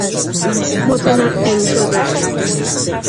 متنعم شدن